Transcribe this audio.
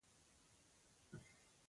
خو خلک په خبره نه وو نه یې اورېدل.